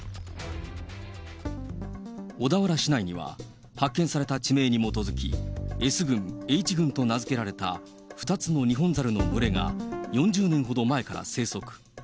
小田原市内には、発見された地名に基づき、Ｓ群、Ｈ群と名付けられた２つのニホンザルの群れが、４０年ほど前から生息。